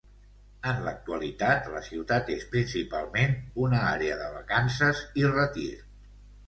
En l'actualitat, la ciutat és principalment una àrea de vacances i retir.